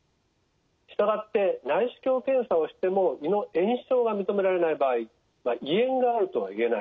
従って内視鏡検査をしても胃の炎症が認められない場合胃炎があるとは言えない。